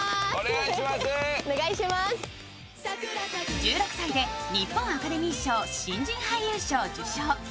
１６歳で日本アカデミー賞新人俳優賞受賞。